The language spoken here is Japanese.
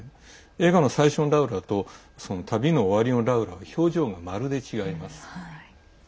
映画の最初のラウラと旅の終わりのラウラは表情がまるで違います。